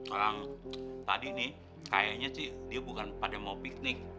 orang tadi nih kayaknya sih dia bukan pada mau piknik